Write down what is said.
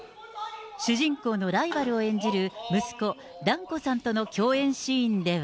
主人公のライバルを演じる、息子、團子さんとの共演シーンでは。